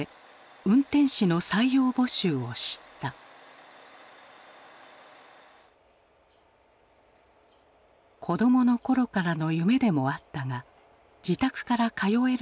子どもの頃からの夢でもあったが自宅から通えるのも魅力だった。